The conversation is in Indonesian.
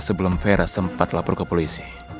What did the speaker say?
sebelum vera sempat lapor ke polisi